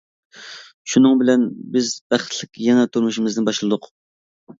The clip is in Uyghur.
شۇنىڭ بىلەن بىز بەختلىك يېڭى تۇرمۇشىمىزنى باشلىدۇق.